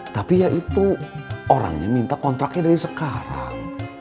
tapi ya itu orangnya minta kontraknya dari sekarang